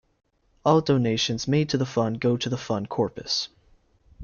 All donations made to the fund go to the fund corpus.